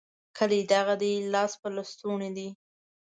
کلی دغه دی؛ لاس په لستوڼي دی.